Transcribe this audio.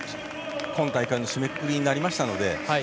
今大会の締めくくりになりましたので。